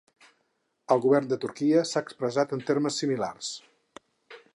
El govern de Turquia s’ha expressat en termes similar.